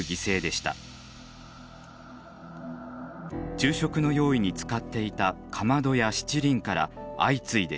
昼食の用意に使っていたかまどや七輪から相次いで出火。